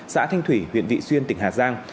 xã thanh thủy huyện vị xuyên tỉnh hà giang